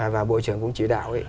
và bộ trưởng cũng chỉ đạo